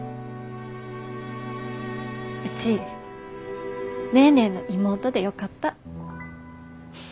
うちネーネーの妹でよかった。